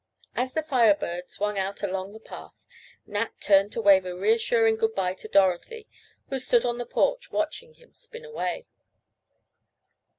As the Fire Bird swung out along the path Nat turned to wave a reassuring good bye to Dorothy who stood on the porch watching him spin away.